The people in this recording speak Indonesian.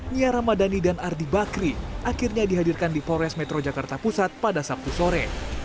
nia ramadhani dan ardi bakri akhirnya dihadirkan di polres metro jakarta pusat pada sabtu sore